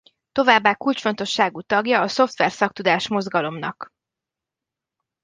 Továbbá kulcsfontosságú tagja a szoftver szaktudás mozgalomnak.